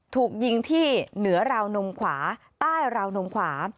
ถูกยิงที่เหนือราวนมขวาใต้ราวนมขวา